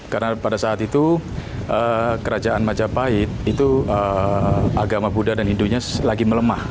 karena pada saat itu kerajaan majapahit itu agama buddha dan hindunya lagi melemah